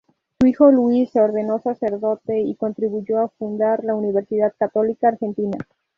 Su hijo Luis se ordenó sacerdote y contribuyó a fundar la Universidad Católica Argentina.